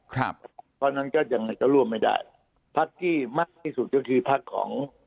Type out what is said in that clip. เพราะฉะนั้นก็ยังไงก็ร่วมไม่ได้พักที่มากที่สุดก็คือพักของ